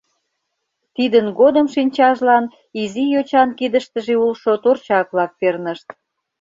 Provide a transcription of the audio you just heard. Тидын годым шинчажлан изи йочан кидыштыже улшо торчак-влак пернышт.